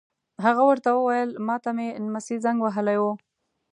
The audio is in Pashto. هغه ور ته وویل: ما ته مې نمسی زنګ وهلی و.